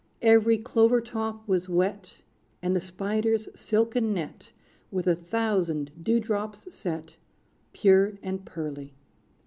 Every clover top was wet, And the spider's silken net With a thousand dew drops set, Pure and pearly.